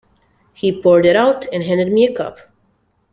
He poured it out, and handed me a cup.